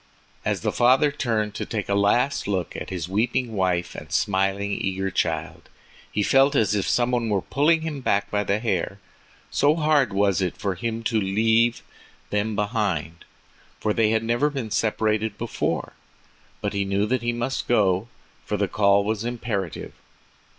As the father turned to take a last look at his weeping wife and smiling, eager child, he felt as if some one were pulling him back by the hair, so hard was it for him to leave them behind, for they had never been separated before. But he knew that he must go, for the call was imperative.